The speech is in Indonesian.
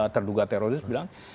terduga teroris bilang